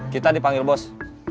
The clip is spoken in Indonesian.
kita dipanggil bos